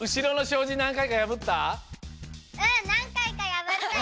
うんなんかいかやぶったよ！